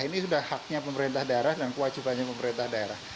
ini sudah haknya pemerintah daerah dan kewajibannya pemerintah daerah